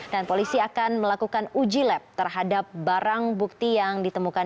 dan polisi akan melakukan uji lab terhadap barang bukti yang ditemukan